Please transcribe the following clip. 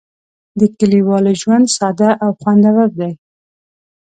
د کلیوالو ژوند ساده او خوندور دی.